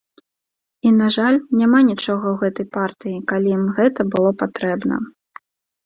І, на жаль, няма нічога ў гэтай партыі, калі ім гэта было патрэбна.